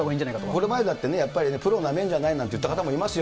これまでだってプロなめんじゃないって言った方もいますよ。